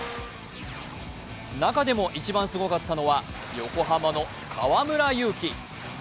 中でも一番すごかったのは横浜の河村勇輝。